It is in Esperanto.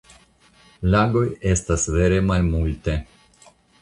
Lagoj estas vere malmulte.